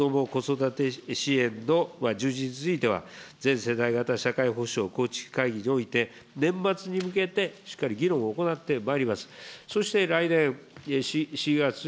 こうしたこども・子育て支援の充実については、全世代型社会保障構築会議において、年末に向けて、しっかり議論を行ってまいります。